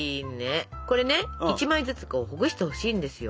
これね１枚ずつほぐしてほしいんですよ。